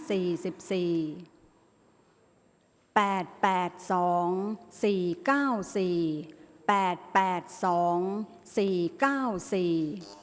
ออกรางวัลที่๖